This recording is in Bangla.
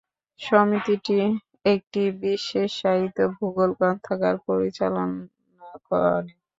সমিতিটি একটি বিশেষায়িত ভূগোল গ্রন্থাগার পরিচালনা করে।